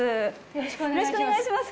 よろしくお願いします。